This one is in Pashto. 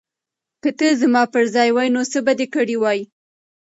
که ته زما پر ځای وای نو څه به دې کړي وای؟